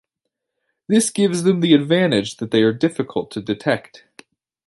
This gives them the advantage that they are difficult to detect.